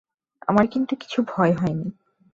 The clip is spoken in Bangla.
আমার কিন্তু কিছু ভয় হয় নি।